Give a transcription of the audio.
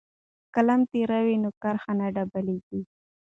که قلم تیره وي نو کرښه نه ډبلیږي.